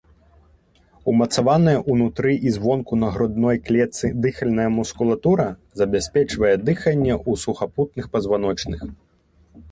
Умацаваная ўнутры і звонку на грудной клетцы дыхальная мускулатура забяспечвае дыханне ў сухапутных пазваночных.